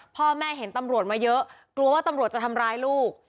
พ่อแม่เห็นตำรวจมาเยอะกลัวว่าตำรวจจะทำร้ายลูก